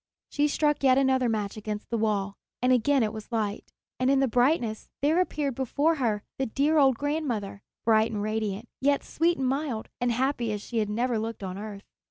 She struck yet another match against the wall, and again it was light; and in the brightness there appeared before her the dear old grandmother, bright and radiant, yet sweet and mild, and happy as she had never looked on earth.